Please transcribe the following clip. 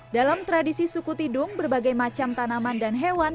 dalam tradisi suku tidung berbagai macam tanaman dan hewan